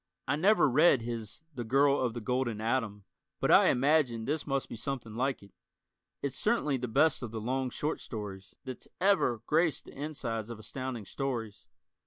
I never read his "The Girl of the Golden Atom" but I imagine this must be something like it. It's certainly the best of the "long short stories" that's ever graced the insides of Astounding Stories.